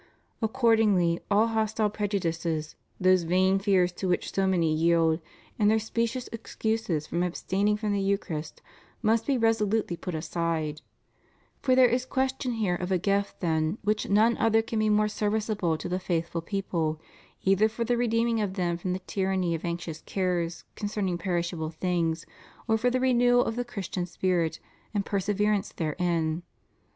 Accordingly all hostile prejudices, those vain fears to which so many yield, and their specious excuses from abstaining from the Eucharist, must be resolutely put aside; for there is question here of a gift than which none other can be more serviceable to the faithful people, either for the redeeming of them from the tyranny of anxious cares concerning perishable things, or for the renewal of the Christian spirit and perseverance therein.